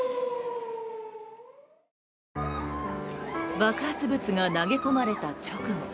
爆発物が投げ込まれた直後